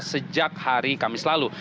sejak hari kamis lalu